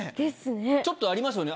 ちょっとありますよね